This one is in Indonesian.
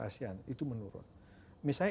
asean itu menurun misalnya